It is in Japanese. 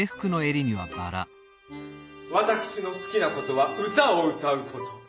わたくしのすきなことは歌を歌うこと。